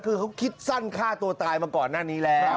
คือเขาคิดสั้นฆ่าตัวตายมาก่อนหน้านี้แล้ว